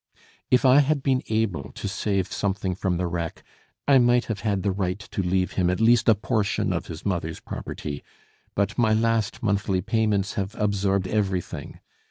If I had been able to save something from the wreck, I might have had the right to leave him at least a portion of his mother's property; but my last monthly payments have absorbed everything.